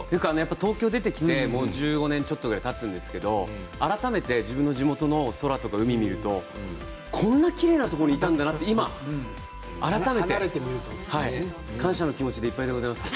東京に出てきて１５年ちょっとするんですけど改めて自分の地元の海や空を見るとこんなきれいなところにいたんだなと今、改めて感謝の気持ちでいっぱいでございます。